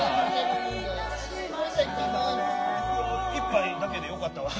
１杯だけでよかったわ。